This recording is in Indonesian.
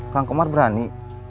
kang kumar berani